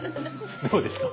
どうですか？